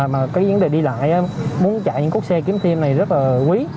mà cái vấn đề đi lại muốn chạy những cốt xe kiếm tiêm này rất là quý